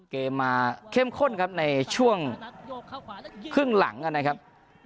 เกมมาเข้มข้นครับในช่วงครึ่งหลังนะครับ